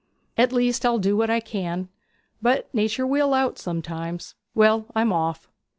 'At least I'll do what I can, but nature will out sometimes. Well, I'm off.'